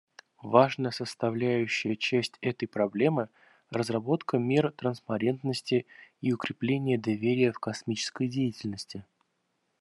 Важная составляющая часть этой проблемы — разработка мер транспарентности и укрепление доверия в космической деятельности.